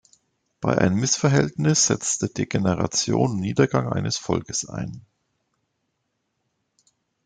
Bei einem Missverhältnis setze Degeneration und Niedergang eines Volkes ein.